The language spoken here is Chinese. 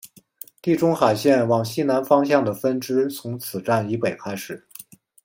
地中海线往西南方向的分支从此站以北开始。